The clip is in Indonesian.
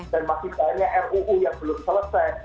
dan masih banyak ruu yang belum selesai